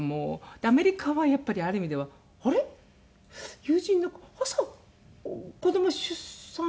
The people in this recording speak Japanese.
アメリカはやっぱりある意味では「あれ？」。友人に「朝子ども出産したわよね？